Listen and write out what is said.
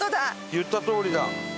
言ったとおりだ。